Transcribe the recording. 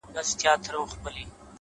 نظم د بریالۍ هڅې ساتونکی دی.!